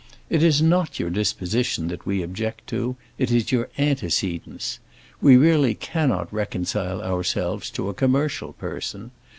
It is not your disposition that we object to, it is your antecedents. We really cannot reconcile ourselves to a commercial person.